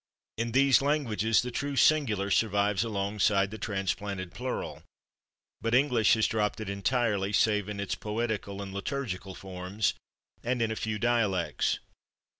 In these languages the true singular survives alongside the transplanted plural, but English has dropped it entirely, save in its poetical and liturgical forms and in a few dialects.